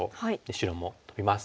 白もトビます。